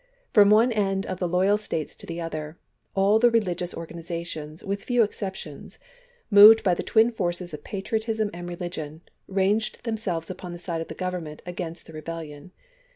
From one end of the loyal States to the other, all the religious organizations, with few exceptions, moved by the twin forces of patriotism and religion, ranged themselves upon the side of the Government against the Rebellion.